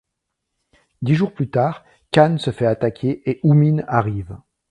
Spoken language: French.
Dix jours plus tard, Kan se fait attaquer et Hummin arrive.